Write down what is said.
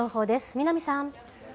南さん。